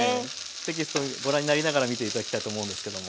テキストご覧になりながら見て頂きたいと思うんですけども。